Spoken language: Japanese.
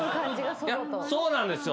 そうなんですよ。